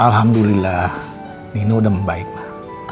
alhamdulillah nino udah membaik lah